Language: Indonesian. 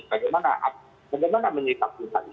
bagaimana menyikapkan hal ini